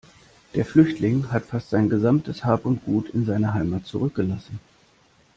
Der Flüchtling hat fast sein gesamtes Hab und Gut in seiner Heimat zurückgelassen.